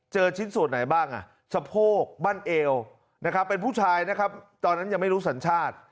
เจอชิ้นส่วนไหนบ้างสะโพกบั้นเอวเป็นผู้ชายตอนนั้นยังไม่รู้สัญชาติ